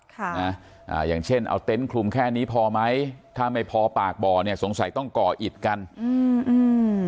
ค่ะนะอ่าอย่างเช่นเอาเต็นต์คลุมแค่นี้พอไหมถ้าไม่พอปากบ่อเนี้ยสงสัยต้องก่ออิดกันอืมอืม